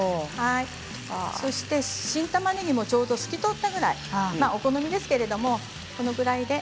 そして新たまねぎもちょうど透き通ったくらいお好みですけれどもこれくらいで。